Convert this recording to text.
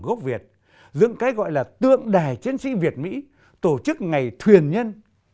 nó được gọi là tượng đài chiến sĩ việt mỹ tổ chức ngày thuyền nhân